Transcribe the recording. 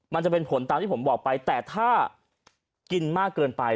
มันจะเป็นผลตามที่ผมบอกไปแต่ถ้ากินมากเกินไป